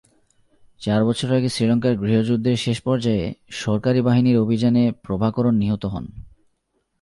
চার বছর আগে শ্রীলঙ্কার গৃহযুদ্ধের শেষ পর্যায়ে সরকারি বাহিনীর অভিযানে প্রভাকরণ নিহত হন।